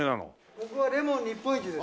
ここはレモン日本一です。